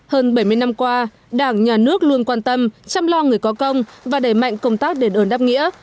hơn bảy mươi năm qua đảng nhà nước luôn quan tâm chăm lo người có công và đẩy mạnh công tác đền ơn đáp nghĩa